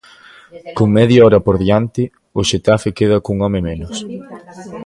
Con media hora por diante, o Xetafe queda cun home menos.